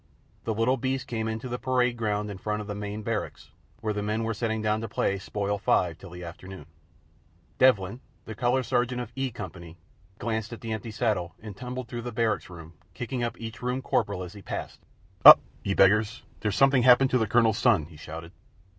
The little beast came in through the parade ground in front of the main barracks, where the men were settling down to play Spoil five till the afternoon. Devlin, the Color Sergeant of E Company, glanced at the empty saddle and tumbled through the barrack rooms, kicking up each Room Corporal as he passed. "Up, ye beggars! There's something happened to the Colonel's son," he shouted.